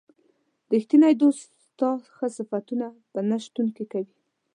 ریښتینی دوست ستا ښه صفتونه په نه شتون کې کوي.